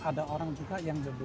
ada orang juga yang jadi